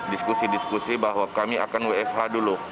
diskusi diskusi bahwa kami akan wfh dulu